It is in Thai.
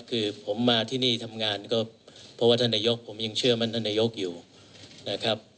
คือผมมาที่นี่ทำงานก็เพราะว่าท่านนายกผมยังเชื่อมั่นท่านนายกอยู่นะครับ